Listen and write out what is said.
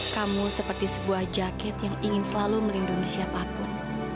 kamu seperti sebuah jaket yang ingin selalu melindungi siapapun